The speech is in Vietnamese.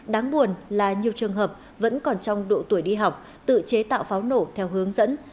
đáng buồn là nhiều trường hợp vẫn còn trong độ tuổi đi học tự chế tạo pháo nổ theo hướng dẫn